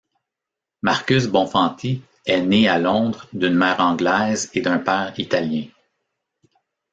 Marcus Bonfanti est né à Londres d'une mère anglaise et d'un père italien.